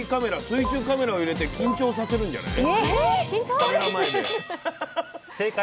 水中カメラを入れて緊張させるんじゃない？